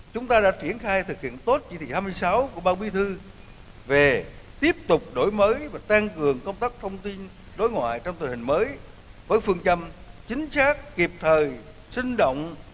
thủ tướng khẳng định công tác thông tin đối ngoại đã tạo được sự đồng thuận của các bộ phận quan trọng